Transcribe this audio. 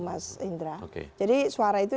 mas indra jadi suara itu